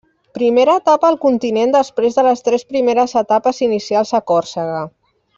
Primera etapa al continent després de les tres primeres etapes inicials a Còrsega.